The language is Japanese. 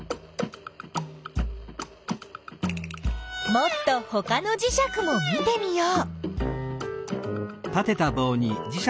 もっとほかのじしゃくも見てみよう。